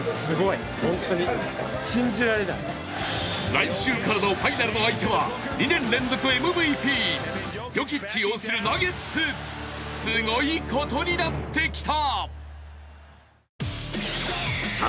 来週からのファイナルの相手は２年連続ＭＶＰ、ヨキッチ擁するナゲッツ、すごいことになってきた。